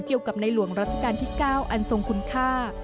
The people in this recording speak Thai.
เกี่ยวกับในหลวงรัชกาลที่๙อันทรงคุณค่า